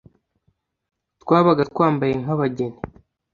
Twabaga twambaye nk’ abageni